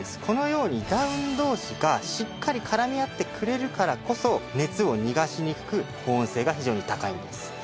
このようにダウン同士がしっかり絡み合ってくれるからこそ熱を逃がしにくく保温性が非常に高いんです。